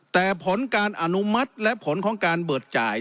แต่ผลการอนุมัติและผลของการเบิกจ่าย